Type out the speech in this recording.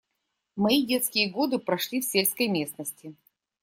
Мои детские годы прошли в сельской местности.